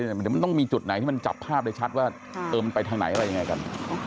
เดี๋ยวมันต้องมีจุดไหนที่มันจับภาพได้ชัดว่ามันไปทางไหนอะไรยังไงกัน